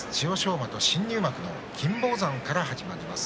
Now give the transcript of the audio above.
馬と新入幕の金峰山から始まります。